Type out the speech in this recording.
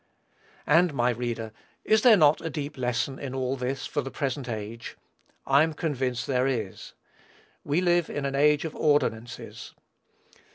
And, my reader, is there not a deep lesson in all this for the present age? I am convinced there is. We live in an age of ordinances.